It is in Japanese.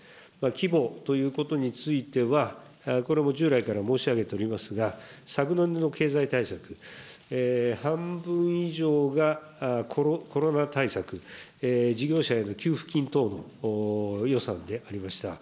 規模ということについては、これも従来から申し上げておりますが、昨年の経済対策、半分以上がコロナ対策、事業者への給付金等への予算でありました。